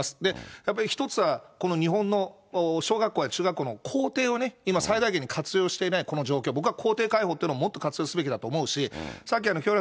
やっぱり一つは、この日本の小学校や中学校の校庭をね、今最大限に活用していないこの状況、僕は校庭開放というのをもっと活用すべきだと思うし、さっき清原